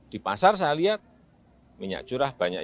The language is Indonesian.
di pasar saya lihat minyak curah banyak